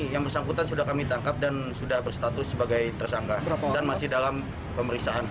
yang bersangkutan sudah kami tangkap dan sudah berstatus sebagai tersangka dan masih dalam pemeriksaan